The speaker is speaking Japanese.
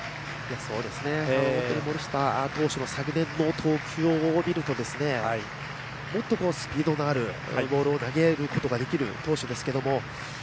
森下投手の昨年の投球を見るともっとスピードのあるボールを投げることができる投手ですけども。